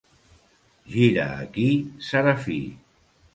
Gira aquí, Serafí!